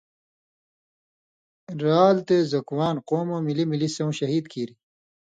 رعل' تے 'زکوان' قوموں مِلی مِلی سېوں شہید کیریۡ۔